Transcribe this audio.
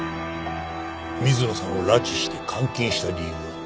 水野さんを拉致して監禁した理由は？